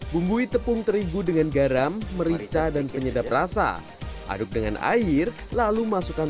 bumbui tepung terigu dengan garam merica dan penyedap rasa aduk dengan air lalu masukkan